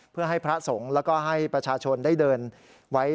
เพื่อให้พระสงฆ์แล้วก็ให้ประชาชนได้เดินไว้